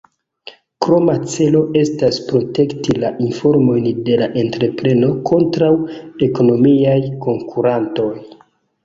Kroma celo estas protekti la informojn de la entrepreno kontraŭ ekonomiaj konkurantoj.